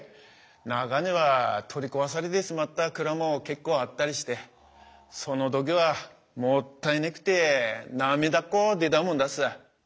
中には取り壊されてしまった蔵も結構あったりしてその時はもったいねくて涙っこ出たもんだす。